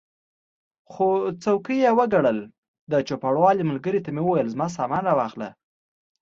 خو څوکۍ یې وګټل، د چوپړوال ملګري ته مې وویل زما سامان را واخله.